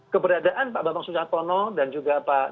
keberadaan pak bapak susatono dan juga pak dato'a